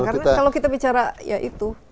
karena kalau kita bicara ya itu